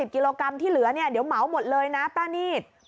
กิโลกรัมที่เหลือเนี่ยเดี๋ยวเหมาหมดเลยนะป้านีด